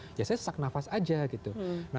saya sesak nafas saja